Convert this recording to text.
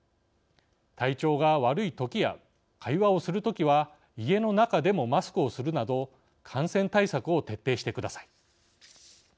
体調が悪いときや会話をするときは家の中でもマスクをするなど感染対策を徹底してください。